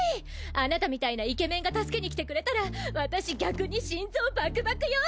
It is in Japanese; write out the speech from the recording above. あなたみたいなイケメンが助けに来てくれたら私逆に心臓バクバクよ。